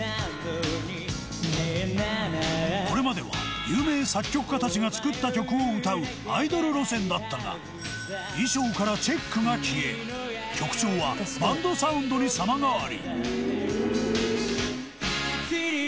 これまでは有名作曲家たちが作った曲を歌うアイドル路線だったが衣装からチェックが消え曲調はバンドサウンドに様変わり。